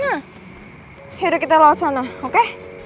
ya udah kita lewat sana oke